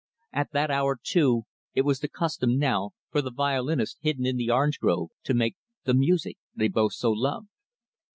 At that hour, too, it was the custom, now, for the violinist hidden in the orange grove, to make the music they both so loved.